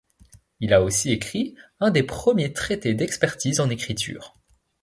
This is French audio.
Il a aussi écrit un des premiers traités d'expertise en écritures.